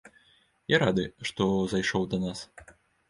Я рады, што зайшоў да нас.